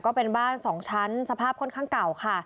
ก็เป็นบ้าน๒ชั้นสภาพค่อนข้างเก่าค่ะ